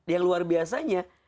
yang luar biasanya